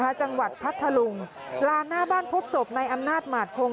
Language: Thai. ประมาณจังหวัดภัทรลุงราศน์หน้าบ้านพบสบนายอำนาจหมาดครง